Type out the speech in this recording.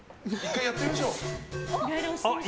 やってみましょう。